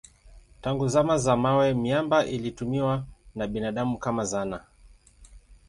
Tangu zama za mawe miamba ilitumiwa na binadamu kama zana.